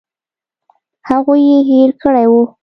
هغوی یې هېر کړي وو.